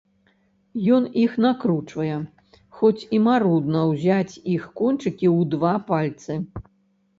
Ён іх накручвае, хоць і марудна ўзяць іх кончыкі ў два пальцы.